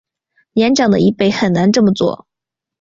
年长的一辈很难这么做